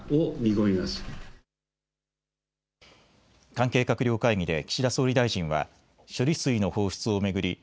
関係閣僚会議で岸田総理大臣は処理水の放出を巡り